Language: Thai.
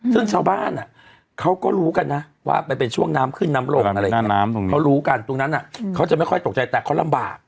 ซึ่งชาวบ้านเขาก็รู้กันนะว่ามันเป็นช่วงน้ำขึ้นน้ำลงอะไรอย่างนี้เขารู้กันตรงนั้นเขาจะไม่ค่อยตกใจแต่เขาลำบาก